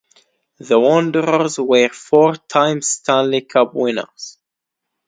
The Wanderers were four-time Stanley Cup winners.